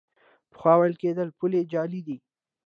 پخوا ویل کېدل پولې جعلي دي.